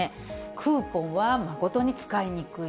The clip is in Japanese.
クーポンは誠に使いにくい。